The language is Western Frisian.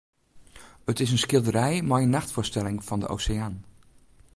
It is in skilderij mei in nachtfoarstelling fan de oseaan.